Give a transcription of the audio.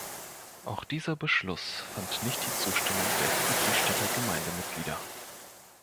Auch dieser Beschluss fand nicht die Zustimmung der Friedrichstädter Gemeindemitglieder.